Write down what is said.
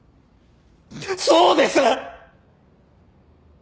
そうです！